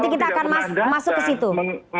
tapi kalau tidak mau datang